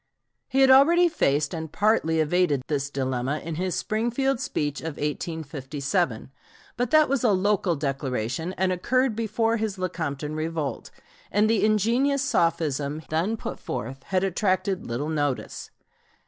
He had already faced and partly evaded this dilemma in his Springfield speech of 1857, but that was a local declaration and occurred before his Lecompton revolt, and the ingenious sophism then put forth had attracted little notice.